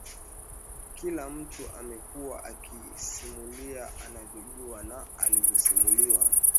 kila mtu amekuwa akisimulia anavyojua au alivyosimuliwa